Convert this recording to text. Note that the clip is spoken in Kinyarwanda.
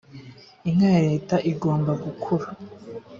inka ya leta igomba gukuru